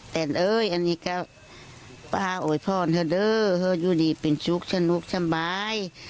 แต่นเอ้ยอันนี้ก็ป้าโอยพรเถอะเด้อเหอะอยู่ดีเป็นสุขสนุกสบาย